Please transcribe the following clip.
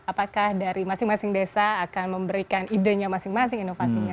apakah dari masing masing desa akan memberikan idenya masing masing inovasinya